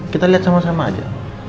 kita lihat sama sama aja